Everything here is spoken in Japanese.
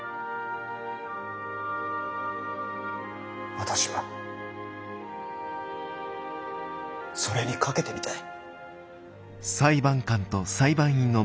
私はそれにかけてみたい。